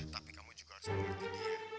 tapi kamu juga harus mengerti dia